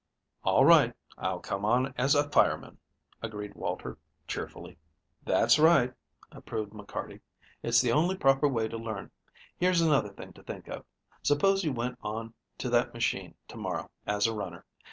"All right. I'll come on as a fireman," agreed Walter, cheerfully. "That's right," approved McCarty. "It's the only proper way to learn. Here's another thing to think of: Suppose you went on to that machine to morrow as a runner.